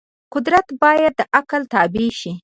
قدرت باید د عقل تابع شي.